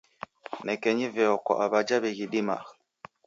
Nekenyi veo kwa aw'ajha wighidimagha.